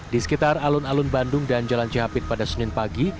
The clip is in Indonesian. di sekitar alun alun bandung dan jalan cihapit pada senin pagi